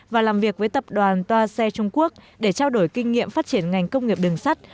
và làm việc với tập đoàn toa xe trung quốc để trao đổi kinh nghiệm phát triển ngành công nghiệp đường sắt